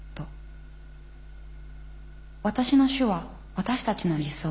私の主は私たちの理想。